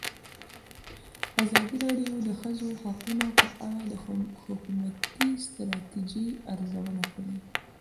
ازادي راډیو د د ښځو حقونه په اړه د حکومتي ستراتیژۍ ارزونه کړې.